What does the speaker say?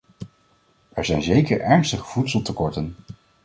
Er zijn zeker ernstige voedseltekorten.